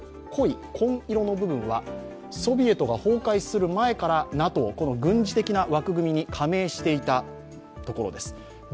紺色の部分はソビエトが崩壊する前から、ＮＡＴＯ軍事的な枠組みに加盟していた所です。